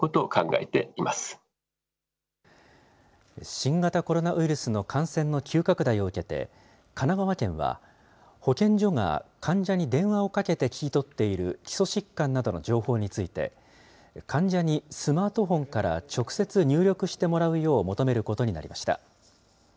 新型コロナウイルスの感染の急拡大を受けて、神奈川県は、保健所が患者に電話をかけて聞き取っている基礎疾患などの情報について、患者にスマートフォンから直接入力してもらうよう求めることになりました。